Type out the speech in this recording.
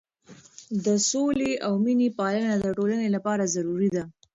د سولې او مینې پالنه د ټولنې لپاره ضروري ده.